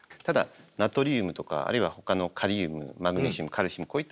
ただナトリウムとかあるいは他のカリウムマグネシウムカルシウム